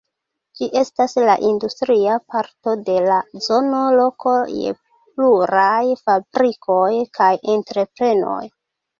Ĝi estas la industria parto de la zono, loko je pluraj fabrikoj kaj entreprenoj.